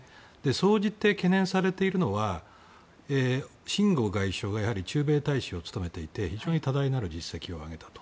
総じて懸念されているのはシン・ゴウ外相が駐米大使を務めていて非常に多大なる実績を上げたと。